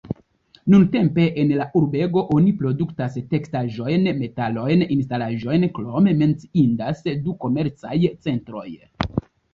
Nuntempe en la urbego oni produktas teksaĵojn, metalajn instalaĵojn, krome menciindas du komercaj centroj.